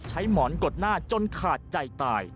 หมอนกดหน้าจนขาดใจตาย